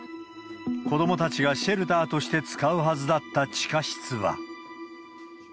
子どもたちがシェルターとして使うはずだった地下室は。